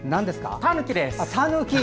タヌキです！